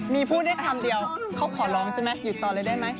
มีพูดได้คำเดียวเขาขอร้องใช่ไหมหยุดต่อเลยได้ไหม